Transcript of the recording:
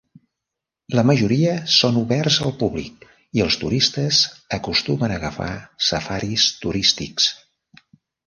La majoria són oberts al públic, i els turistes acostumen a agafar safaris turístics.